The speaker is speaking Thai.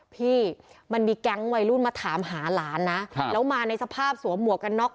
พี่มันมีแก๊งวัยรุ่นมาถามหาหลานนะแล้วมาในสภาพสวมหมวกกันน็อก